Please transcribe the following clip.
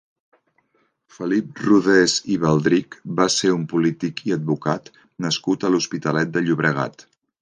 Felip Rodés i Baldrich va ser un polític i advocat nascut a l'Hospitalet de Llobregat.